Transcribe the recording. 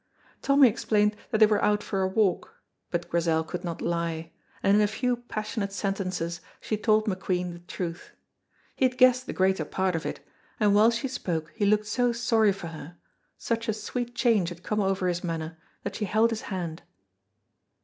Tommy explained that they were out for a walk, but Grizel could not lie, and in a few passionate sentences she told McQueen the truth. He had guessed the greater part of it, and while she spoke he looked so sorry for her, such a sweet change had come over his manner, that she held his hand.